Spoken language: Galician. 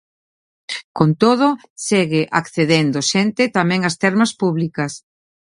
Con todo, segue accedendo xente, tamén ás termas públicas.